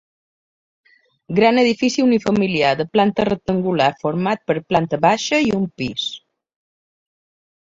Gran edifici unifamiliar de planta rectangular, format per planta baixa i un pis.